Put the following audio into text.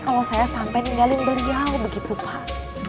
kalau saya sampai ninggalin beliau begitu pak